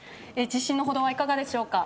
自信のほどはいかがでしょうか？